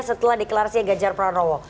setelah deklarasi ganjar prabowo